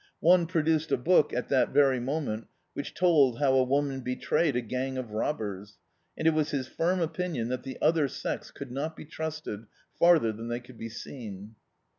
One produced a book, at that very moment, which told how a woman betrayed a gang of robbers; and it was his iinn opinion that the other sex could not be trusted farther than they could be seen.